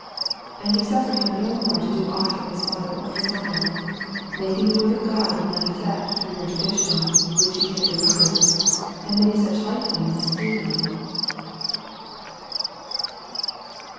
12 And ye suffer him no more to do ought for his father or his mother ; 13 Making the word of God of none eifect through your tradition, which ye have delivered : and many sucb like things do ye.